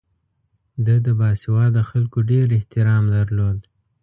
ده د باسواده خلکو ډېر احترام درلود.